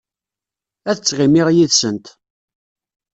Ad ttɣimiɣ yid-sent.